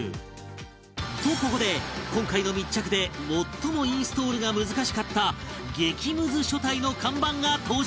とここで今回の密着で最もインストールが難しかった激ムズ書体の看板が登場！